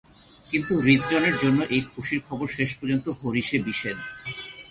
কিন্তু রিসডনের জন্য এই খুশির খবর শেষ পর্যন্ত হরিষে বিষাদ।